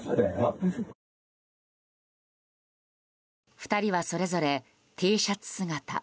２人はそれぞれ、Ｔシャツ姿。